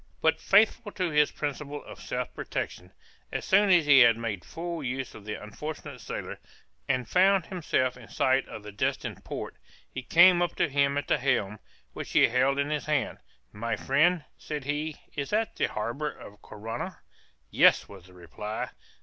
But, faithful to his principles of self protection, as soon as he had made full use of the unfortunate sailor, and found himself in sight of the destined port, he came up to him at the helm, which he held in his hand, "My friend," said he "is that the harbor of Corunna?" "Yes," was the reply.